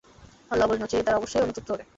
আল্লাহ বললেন, অচিরেই তারা অবশ্যই অনুতপ্ত হবে।